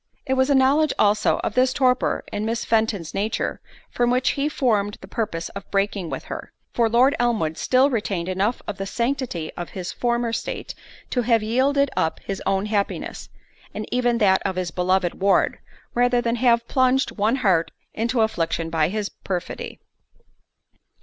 It was a knowledge also of this torpor in Miss Fenton's nature, from which he formed the purpose of breaking with her; for Lord Elmwood still retained enough of the sanctity of his former state to have yielded up his own happiness, and even that of his beloved ward, rather than have plunged one heart into affliction by his perfidy.